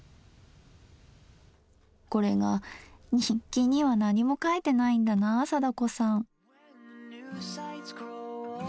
これが日記には何も書いてないんだなあ貞子さん。